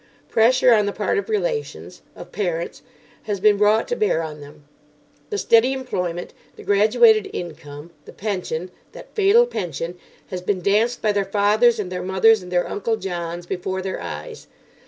Pressure on the part of relations, of parents, has been brought to bear on them. The steady employment, the graduated income, the pension—that fatal pension—has been danced by their fathers and their mothers and their Uncle Johns before their eyes.